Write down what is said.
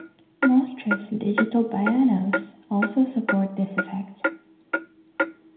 Most recent digital pianos also support this effect.